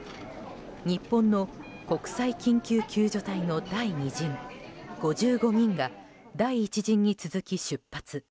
日本の国際緊急救助隊の第２陣５５人が第１陣に続き出発。